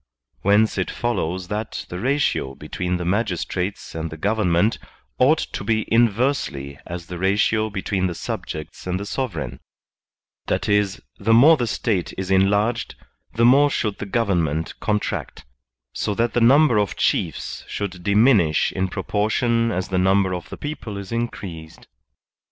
Whence it follows that the ratio between the magistrates and the government ought to be inversely as the ratio between the subjects and the sovereign ; that is, the more CLASSIFICATION OF GOVERNMENTS 57 the State is enlarged, the more should the government contract; so that the number of chiefs should diminish in proportion as the number of the people is increased.